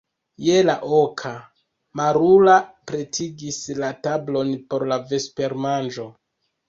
Je la oka, Marula pretigis la tablon por la vespermanĝo.